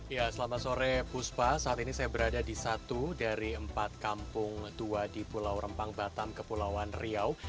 ya selamat sore puspa saat ini saya berada di satu dari empat kampung tua di pulau rempang batam kepulauan riau